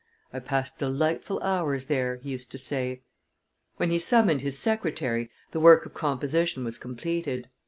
"I passed delightful hours there," he used to say. When he summoned his secretary, the work of composition was completed.